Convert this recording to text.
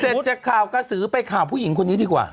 เสร็จจากข่าวกระสือไปข่าวผู้หญิงคนนี้ดีกว่า